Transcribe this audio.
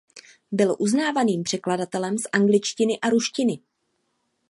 Byl uznávaným překladatelem z angličtiny a ruštiny.